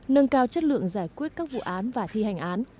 nâng cao chất lượng giải quyết các vụ án và thi hành án